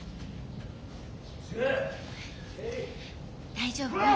大丈夫よ。